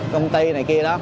công ty này kia đó